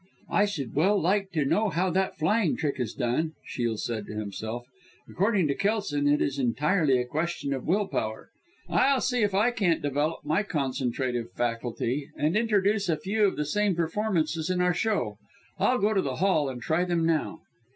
"I should well like to know how that flying trick is done," Shiel said to himself. "According to Kelson it is entirely a question of will power. I'll see if I can't develop my concentrative faculty and introduce a few of the same performances in our show. I'll go to the Hall and try them now."